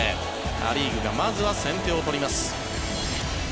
ア・リーグがまずは先手を取ります。